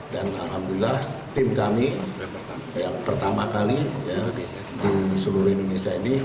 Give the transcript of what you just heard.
dan alhamdulillah tim kami yang pertama kali di seluruh indonesia ini